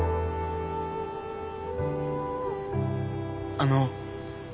あの。